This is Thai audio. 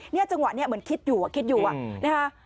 นี่จังหวะนี่เหมือนคิดอยู่คิดอยู่